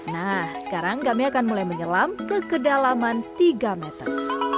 nah sekarang kami akan mulai menyelam ke kedalaman tiga meter